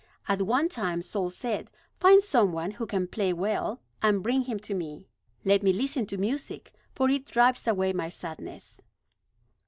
At one time Saul said: "Find some one who can play well, and bring him to me. Let me listen to music; for it drives away my sadness."